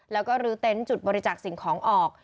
แล้วก็ลื้อเต็นต์จุดบริจักษ์สิ่งของออก